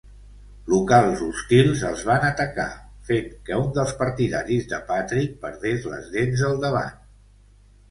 Locals hostils els van atacar, fent que un dels partidaris de Patrick perdés les dents del davant.